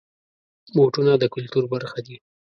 بوټونه د کلتور برخه دي.